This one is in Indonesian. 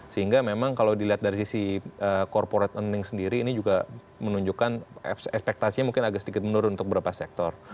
sehingga memang kalau dilihat dari sisi corporate earning sendiri ini juga menunjukkan ekspektasinya mungkin agak sedikit menurun untuk beberapa sektor